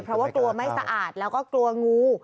เพราะว่ากลัวไม่สะอาดแล้วก็กลัวงู